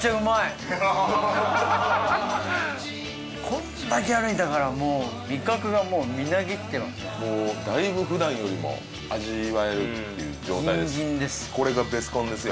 こんだけ歩いたからもう味覚がみなぎってますねもうだいぶ普段よりも味わえるっていう状態ですギンギンです